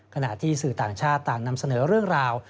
ขณะที่สื่อต่างชาติต่างนำเสนอเรื่องราว